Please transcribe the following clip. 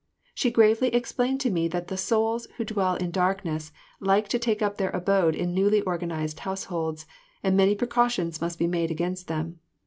She gravely explained to me that the souls who dwell in darkness like to take up their abode in newly organised households, and many precautions must be made against them.